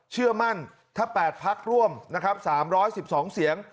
เชื่อมั่นถ้าแปดพักร่วมนะครับสามร้อยสิบสองเสียง